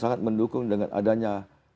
sangat mendukung dengan adanya